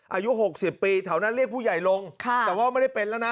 อายุ๖๐ปีแถวนั้นเรียกผู้ใหญ่ลงแต่ว่าไม่ได้เป็นแล้วนะ